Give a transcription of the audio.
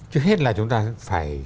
trước hết là chúng ta phải